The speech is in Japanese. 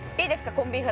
コンビーフ